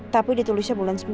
tapi ditulisnya bulan sembilan